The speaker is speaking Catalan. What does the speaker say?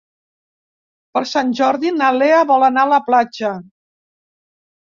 Per Sant Jordi na Lea vol anar a la platja.